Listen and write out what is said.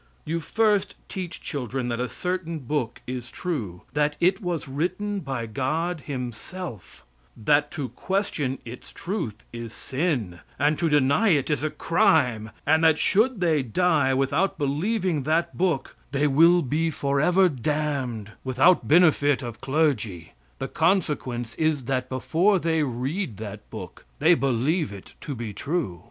You first teach children that a certain book is true that it was written by God himself that to question its truth is sin, that to deny it is a crime, and that should they die without believing that book they will be forever damned without benefit of clergy; the consequence is that before they read that book they believe it to be true.